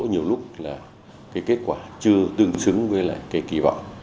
nhiều lúc là cái kết quả chưa tương xứng với lại cái kỳ vọng